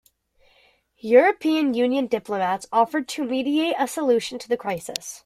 European Union diplomats offered to mediate a solution to the crisis.